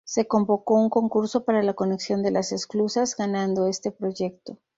Se convocó un concurso para la conexión de las esclusas, ganando este proyecto.